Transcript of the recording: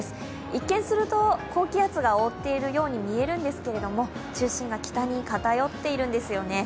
一見すると、高気圧が覆っているように見えるんですけれども中心が北に偏っているんですよね。